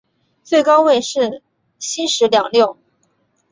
最高位是西十两六。